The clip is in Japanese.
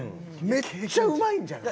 めっちゃうまいんじゃない？